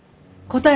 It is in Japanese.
答え。